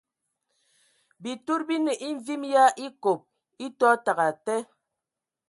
Bitud bi nə e mvim yə a ekob e tɔ təgɛ atɛ.